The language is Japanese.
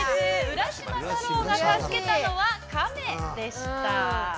浦島太郎が助けたのは亀でした。